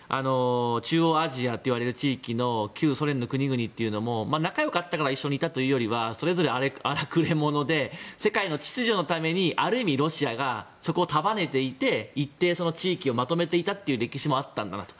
中央アジアといわれる地域の旧ソ連の国々は仲が良かったから一緒にいたというよりそれぞれ荒くれ者で世界の秩序のためにロシアが束ねていて一定地域をまとめていたという歴史もあったんだなと。